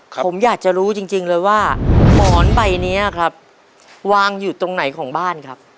ผมอยากจะรู้จริงเลยว่าหมอนใบนี้ครับวางอยู่ตรงไหนของบ้านครับ